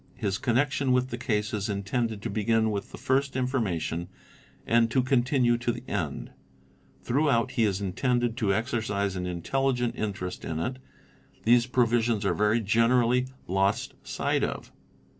His connection with the case is intended to begin with the first information and to continue to the end: throughout he is intended to _ exercise an intelligent interest in it. These provisions are very generally , lost sight of.